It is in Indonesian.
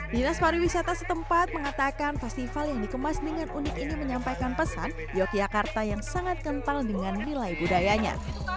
dinas pariwisata setempat mengatakan festival yang dikemas dengan unik ini menyampaikan pesan yogyakarta yang sangat kental dengan nilai budayanya